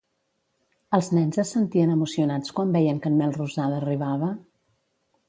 Els nens es sentien emocionats quan veien que en Melrosada arribava?